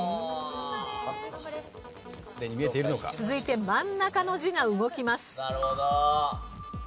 続いて真ん中の字が動きます。